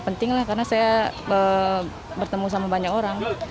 penting karena saya bertemu dengan banyak orang